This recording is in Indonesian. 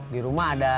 di rumah ada